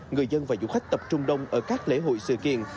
người dân và du khách tập trung đông ở các lễ hội sự kiện